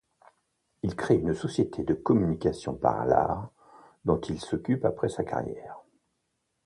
Il crée une société de communication par l'art dont il s'occupe après sa carrière.